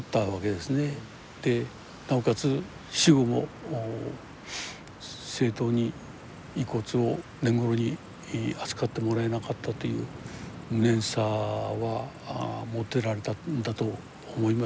なおかつ死後も正当に遺骨をねんごろに扱ってもらえなかったという無念さは持っておられたんだと思います。